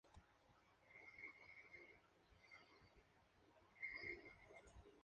Su vecina es Marianne, una joven prostituta de la que está enamorado secretamente.